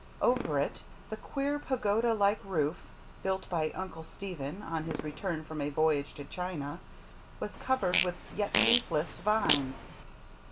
Over it, the queer, pagoda like roof, built by Uncle Stephen on his return from a voyage to China, was covered with yet leafless vines.